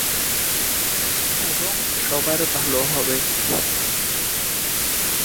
এবং সবার ভাল হবে।